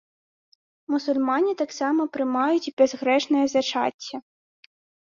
Мусульмане таксама прымаюць бязгрэшнае зачацце.